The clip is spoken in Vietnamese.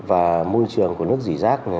và môi trường của nước rỉ rác